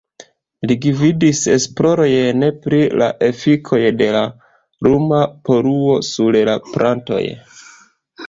Li gvidis esplorojn pri la efikoj de la luma poluo sur la plantoj.